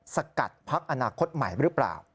สกัดพักอนาคตใหม่หรือเปล่า